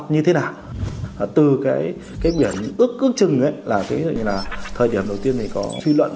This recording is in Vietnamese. như thế nào từ cái cái biển ước ước chừng ấy là ví dụ như là thời điểm đầu tiên thì có suy luận